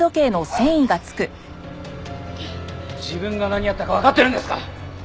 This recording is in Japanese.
自分が何やったかわかってるんですか？